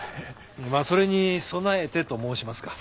まあそれに備えてと申しますか。